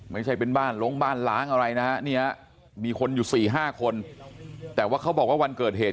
ไม่ใช่เป็นบ้านลงบ้านล้างอะไรนะฮะเนี่ยมีคนอยู่๔๕คนแต่ว่าเขาบอกว่าวันเกิดเหตุ